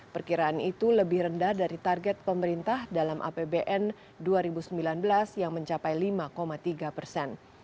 perkiraan itu lebih rendah dari target pemerintah dalam apbn dua ribu sembilan belas yang mencapai lima tiga persen